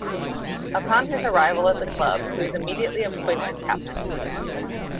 Upon his arrival at the club, he was immediately appointed captain.